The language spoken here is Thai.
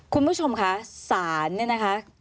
คุณผู้ชมคะศาลเนี่ยนะคะ